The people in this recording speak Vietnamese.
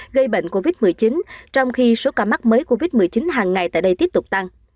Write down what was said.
gây bệnh covid một mươi chín trong khi số ca mắc mới covid một mươi chín hàng ngày tại đây tiếp tục tăng